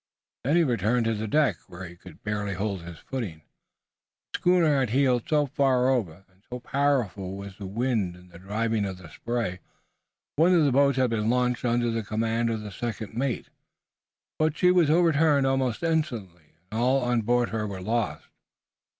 Then he returned to the deck, where he could barely hold his footing, the schooner had heeled so far over, and so powerful was the wind and the driving of the spray. One of the boats had been launched under the command of the second mate, but she was overturned almost instantly, and all on board her were lost.